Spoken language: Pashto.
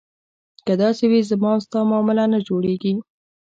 که داسې وي زما او ستا معامله نه جوړېږي.